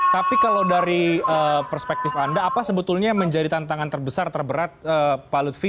tapi kalau dari perspektif anda apa sebetulnya yang menjadi tantangan terbesar terberat pak lutfi